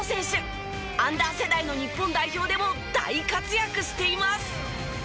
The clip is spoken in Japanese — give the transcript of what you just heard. アンダー世代の日本代表でも大活躍しています。